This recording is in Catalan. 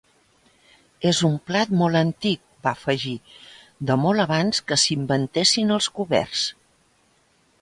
És un plat molt antic —va afegir—, de molt abans que s'inventessin els coberts.